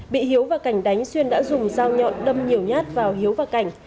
bị hiếu và cảnh đánh xuyên đã dùng dao nhọn đâm nhiều nhát vào hiếu và cảnh